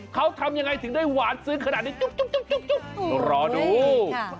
เขาทำยังไงถึงได้หวานซึ้งขนาดนี้จุ๊บรอดู